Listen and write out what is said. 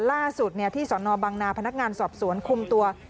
ล่าสุดที่สนบังนาพนักงานสอบสวนคุมตัว